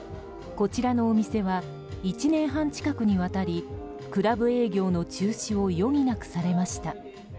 こちらのお店は１年半近くにわたりクラブ営業の中止を余儀なくされました。